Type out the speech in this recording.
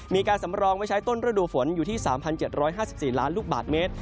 มีการสำรองไว้ใช้ต้นฤดูฝนอยู่ที่๓๗๕๔ล้านลูกบาทเมตร